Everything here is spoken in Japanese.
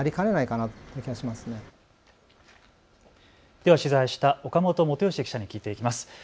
では取材した岡本基良記者に聞いていきます。